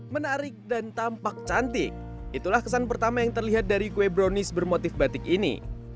menarik dan tampak cantik itulah kesan pertama yang terlihat dari kue brownies bermotif batik ini